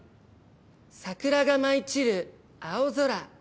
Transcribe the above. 桜が舞い散る青空。